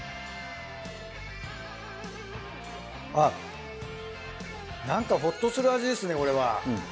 あっなんかホッとする味ですねこれは。